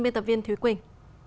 biên tập viên thúy quỳnh